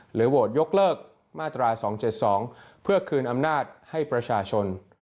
โหวตยกเลิกมาตรา๒๗๒เพื่อคืนอำนาจให้ประชาชน